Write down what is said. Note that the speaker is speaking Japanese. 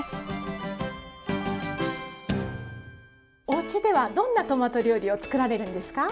おうちではどんなトマト料理を作られるんですか？